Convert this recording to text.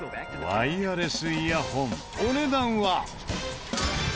ワイヤレスイヤホンお値段は。